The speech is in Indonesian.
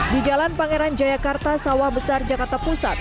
di jalan pangeran jayakarta sawah besar jakarta pusat